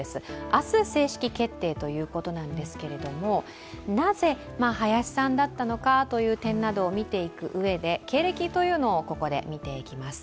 明日、正式決定ということなんですけれども、なぜ林さんだったのかという点などを見ていくうえで経歴というのをここで見ていきます。